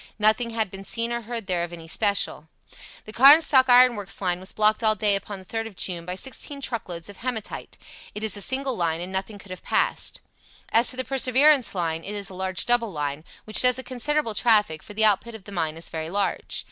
Nothing had been seen or heard there of any special. The Carnstock Iron Works line was blocked all day upon the 3rd of June by sixteen truckloads of hematite. It is a single line, and nothing could have passed. As to the Perseverance line, it is a large double line, which does a considerable traffic, for the output of the mine is very large.